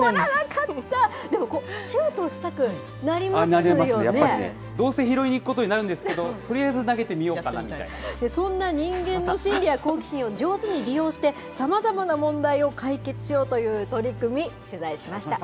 やっぱりね、どうせ拾いに行くことになるんですけど、とりあえずそんな人間の心理や好奇心を上手に利用して、さまざまな問題を解決しようという取り組み、取材しました。